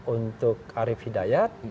untuk arief hidayat